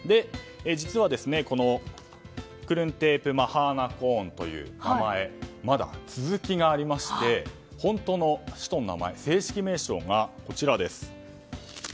実はこのクルンテープ・マハナコーンという名前はまだ続きがありまして本当の首都の名前正式名称がこちらです。